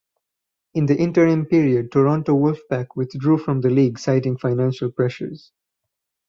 In the interim period Toronto Wolfpack withdrew from the league citing financial pressures.